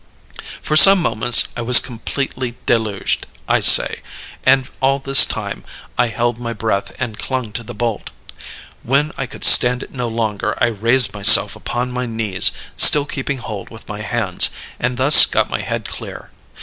"For some moments I was completely deluged, I say; and all this time I held my breath and clung to the bolt. When I could stand it no longer I raised myself upon my knees, still keeping hold with my hands, and thus got my head clear.